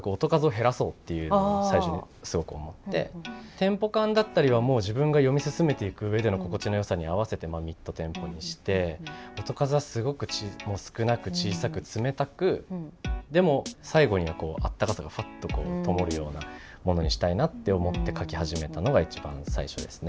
テンポ感だったりはもう自分が読み進めていくうえでの心地のよさに合わせてまあミッドテンポにして音数はすごくもう少なく小さく冷たくでも最後にはこう温かさがふわっとともるようなものにしたいなって思って書き始めたのが一番最初ですね。